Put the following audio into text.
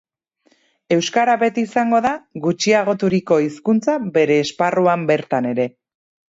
Euskara beti izango da gutxiagoturiko hizkuntza bere esparruan bertan ere.